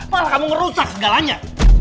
malah kamu ngerusak segalanya